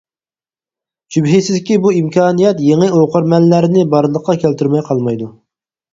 شۈبھىسىزكى، بۇ ئىمكانىيەت يېڭى ئوقۇرمەنلەرنى بارلىققا كەلتۈرمەي قالمايدۇ.